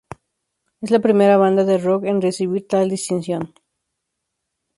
Es la primera banda de rock en recibir tal distinción.